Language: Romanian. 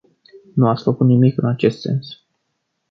Nu ați făcut nimic în acest sens.